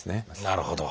なるほど。